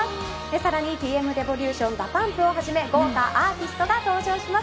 さらにＴ．Ｍ．ＲｅｖｏｌｕｔｉｏｎＤＡＰＵＭＰをはじめ豪華アーティストが登場します。